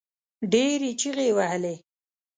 ډېرې چيغې يې وهلې.